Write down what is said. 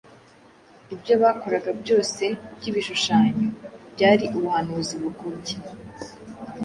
Ibyo bakoraga byose by’ibishushanyo byari ubuhanuzi bukubye